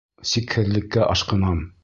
Сикһеҙлеккә ашҡынам...